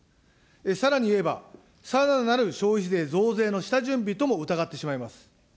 さらにいえば、さらなる消費税増税の下準備とも疑ってしまいます。